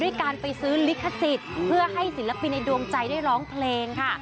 การไปซื้อลิขสิทธิ์เพื่อให้ศิลปินในดวงใจได้ร้องเพลงค่ะ